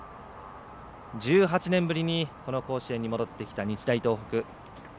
１８年ぶりにこの甲子園に戻ってきた日大東北。